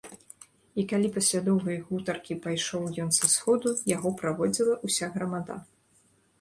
І калі пасля доўгай гутаркі пайшоў ён са сходу, яго праводзіла ўся грамада.